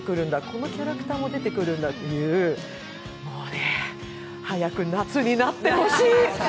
このキャラクターも出てくるんだっていう、もうね、早く夏になってほしい。